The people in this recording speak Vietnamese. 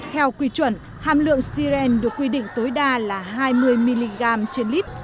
theo quy chuẩn hàm lượng siren được quy định tối đa là hai mươi mg trên lít